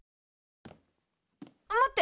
待って。